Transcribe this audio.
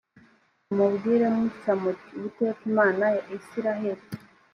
mumubwire mutya muti uwiteka imana ya isirayeli